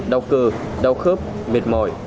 đau cơ đau khớp mệt mỏi